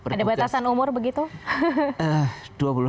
ada batasan umur begitu